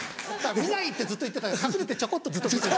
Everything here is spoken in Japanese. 見ない！ってずっと言ってたけど隠れてちょこっとずっと見てた。